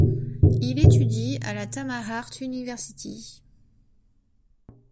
Il étudie à la Tama Art University.